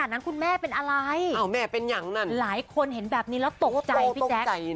เดี๋ยวต้องการเป็นอะไร